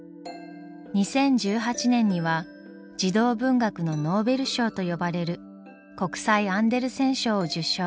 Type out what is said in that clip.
２０１８年には児童文学のノーベル賞と呼ばれる国際アンデルセン賞を受賞。